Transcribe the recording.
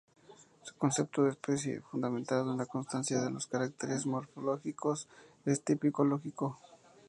Su concepto de especie, fundamentado en la constancia de los caracteres morfológicos, es tipológico.